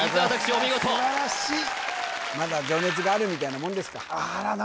お見事まだ情熱があるみたいなもんですか